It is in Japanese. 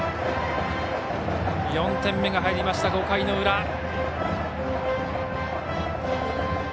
４点目が入りました、５回の裏。